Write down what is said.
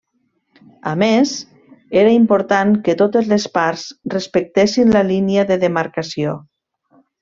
A més, era important que totes les parts respectessin la línia de demarcació.